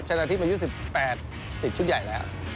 นาทิพย์อายุ๑๘ติดชุดใหญ่แล้ว